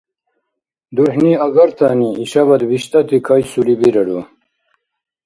Дурхӏни агартани ишабад биштӏати кайсули бирару?